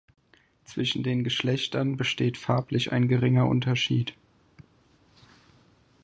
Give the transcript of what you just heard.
Zwischen den Geschlechtern besteht farblich ein geringer Unterschied.